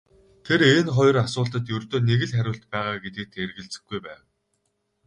Тэр энэ хоёр асуултад ердөө нэг л хариулт байгаа гэдэгт эргэлзэхгүй байв.